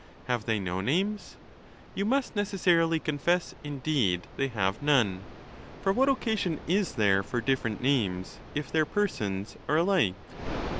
Have they no names ? You must necessarily confess, indeed, they have none ; for what occasion is there for different names if their persons are alike